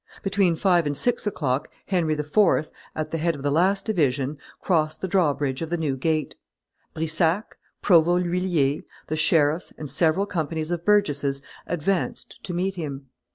Between five and six o'clock Henry IV., at the head of the last division, crossed the drawbridge of the New Gate. Brissac, Provost L'Huillier, the sheriffs, and several companies of burgesses advanced to meet him.